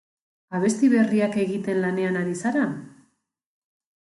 Abesti berriak egiten lanean ari zara?